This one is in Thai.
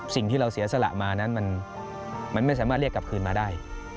สิ่งที่เราเสียสละมานั้นมันไม่สามารถเรียกกลับคืนมาได้